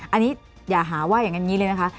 อันนี้อย่าหาว่าอย่างนี้เลยนะคะ